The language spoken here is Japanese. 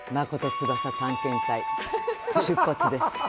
つばさ探検隊、出発です！